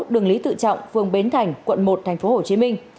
đường lý tự trọng phường bến thành quận một tp hcm